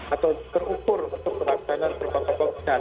atau terukur untuk peraksanaan protokol penyakit